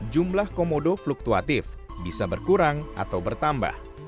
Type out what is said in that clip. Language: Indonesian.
jumlah komodo fluktuatif bisa berkurang atau bertambah